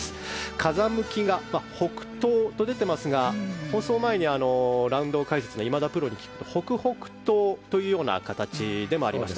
風向きが北東と出ていますが放送前にラウンド解説の今田プロに聞くと北北東という形でもありました。